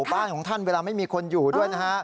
บ้านของท่านเวลาไม่มีคนอยู่ด้วยนะฮะ